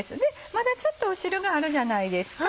まだちょっと汁があるじゃないですか。